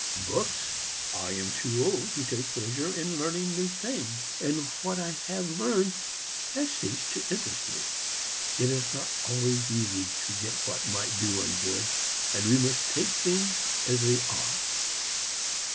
Books? I am too old to take pleasure in learning new things, and what I have learned has ceased to interest me. It is not always easy to get what might do one good, and we must take things as they are."